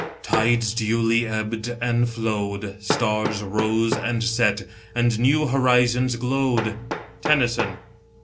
" Tides duly ebbed and flowed, Stars rose and set, And new horizons glowed." TENNYSON.